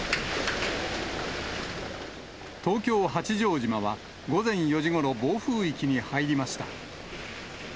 東京・八丈島は午前４時ごろ暴風域に入りました。